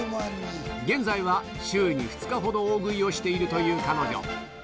現在は週に２日ほど大食いをしているという彼女。